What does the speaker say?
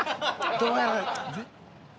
どうやろ？